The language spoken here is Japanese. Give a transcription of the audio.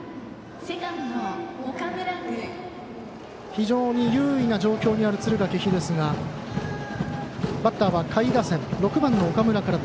非常に優位な状況にある敦賀気比ですがバッターは下位打線６番の岡村から。